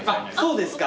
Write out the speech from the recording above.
そうですか。